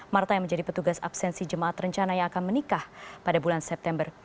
marta yang menjadi petugas absensi jemaat rencana yang akan menikah pada bulan september